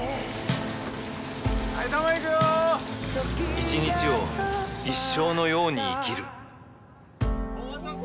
一日を一生のように生きるお待たせ！